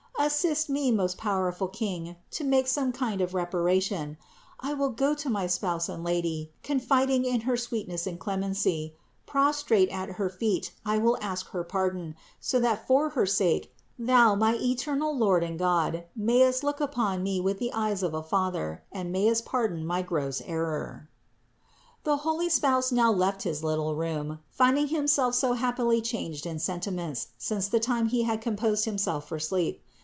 Assist me, most powerful King, to make some kind of reparation. I will go to my Spouse and Lady, confiding in her sweetness and clemency; prostrate at her feet I will ask her pardon, so that for her sake, Thou, my eternal Lord and God, mayest look upon me with the eyes of a Father and mayest pardon my gross error." THE INCARNATION 329 404. The holy spouse now left his little room, finding himself so happily changed in sentiments since the time he had composed himself for sleep.